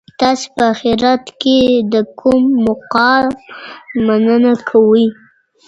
تاسي په اخیرت کي د کوم مقام مننه کوئ؟